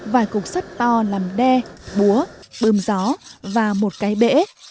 vài cục sắt to làm đe búa bươm gió và một cái bể